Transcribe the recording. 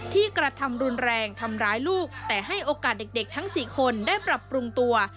กระทำรุนแรงทำร้ายลูกแต่ให้โอกาสเด็กทั้ง๔คนได้ปรับปรุงตัว